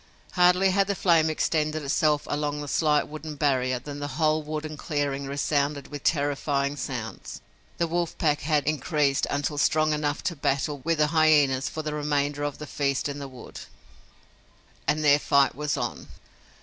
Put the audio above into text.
Hardly had the flame extended itself along the slight wooden barrier than the whole wood and clearing resounded with terrifying sounds. The wolf pack had increased until strong enough to battle with the hyenas for the remainder of the feast in the wood, and their fight was on.